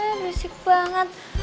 hmm berisik banget